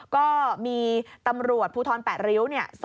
ก็มีตำรวจภูทร๘ริ้วเนี่ย